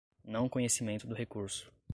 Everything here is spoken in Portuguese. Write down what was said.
não conhecimento do recurso